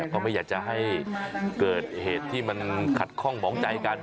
เขาไม่อยากจะให้เกิดเหตุที่มันขัดข้องหมองใจกัน